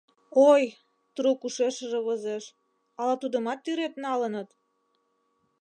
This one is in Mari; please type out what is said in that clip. Ой... — трук ушешыже возеш: «Ала тудынымат тӱред налыныт?»